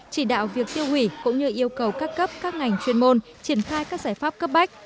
chỉ đạo việc tiêu hủy cũng như yêu cầu các cấp các ngành chuyên môn triển khai các giải pháp cấp bách